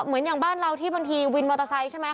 เหมือนอย่างบ้านเราที่บางทีวินมอเตอร์ไซค์ใช่ไหม